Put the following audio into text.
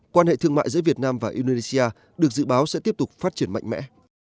quan hệ thương mại giữa việt nam và indonesia được dự báo sẽ tiếp tục phát triển mạnh mẽ